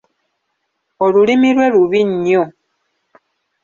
Olulimi lwe lubi nnyo.